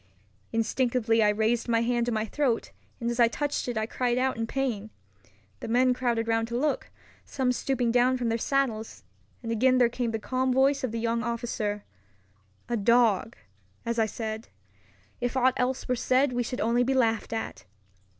Instinctively I raised my hand to my throat, and as I touched it I cried out in pain. The men crowded round to look, some stooping down from their saddles; and again there came the calm voice of the young officer, "A dog, as I said. If aught else were said we should only be laughed at."